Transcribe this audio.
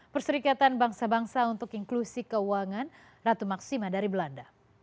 perserikatan bangsa bangsa untuk inklusi keuangan ratu maksima dari belanda